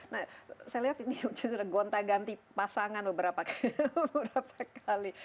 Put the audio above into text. nah saya lihat ini sudah gonta ganti pasangan beberapa kali